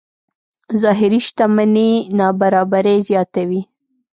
ظاهري شتمنۍ نابرابرۍ زیاتوي.